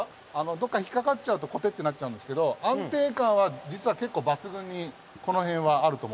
どっか引っ掛かっちゃうとコテッてなっちゃうんですけど安定感は実は結構抜群にこの辺はあると思ってます。